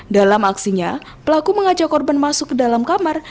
dalam aksinya pelaku mengajak korban masuk ke dalam kamar